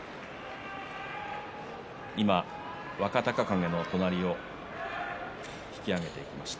今、若隆景の隣を引き揚げていきました。